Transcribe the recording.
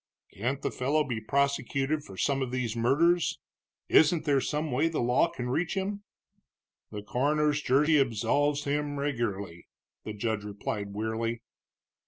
"Can't the fellow be prosecuted for some of these murders? Isn't there some way the law can reach him?" "The coroner's jury absolves him regularly," the judge replied wearily.